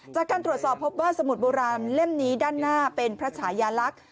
จากการตรวจสอบพบว่าสมุดโบราณเล่มนี้ด้านหน้าเป็นพระชายาลักษณ์